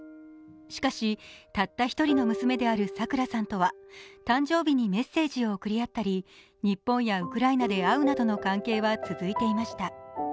しかしたった１人の娘であるさくらさんとは誕生日にメッセージを送り合ったり日本やウクライナで会うなどの関係は続いていました。